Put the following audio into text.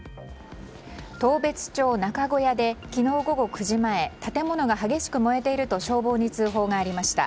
当別町中小屋で昨日午後９時前建物が激しく燃えていると消防に通報がありました。